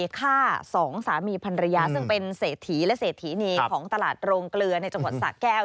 ฆ่าสองสามีพันรยาซึ่งเป็นเศรษฐีและเศรษฐีนีของตลาดโรงเกลือในจังหวัดสะแก้ว